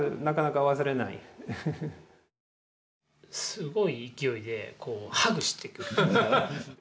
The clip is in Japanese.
すごい勢いでこうハグしてくる。